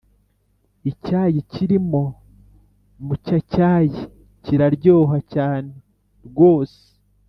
icyayi cyirimo mucyacyayi kiraryoha cyane rwose